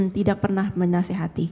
tidak pernah menasihati